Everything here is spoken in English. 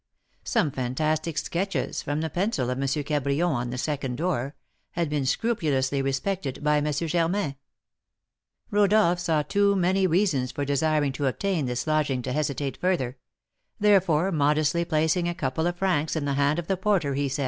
Some fantastic sketches from the pencil of M. Cabrion, on the second door, had been scrupulously respected by M. Germain. Rodolph saw too many reasons for desiring to obtain this lodging to hesitate further; therefore, modestly placing a couple of francs in the hand of the porter, he said: [Illustration: "'_This, I Suppose, Is the Work of M.